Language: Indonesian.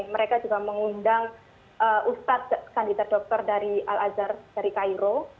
mereka juga mengundang ustadz kandidat dokter dari al azhar dari cairo